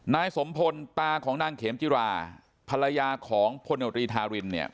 นายสมพลตาของนางเขมจิราภรรยาของพลโนตรีทารินเนี่ย